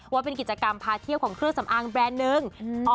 ว่าเป็นกิจกรรมพาเที่ยวของเครื่องสำอางแบรนด์หนึ่ง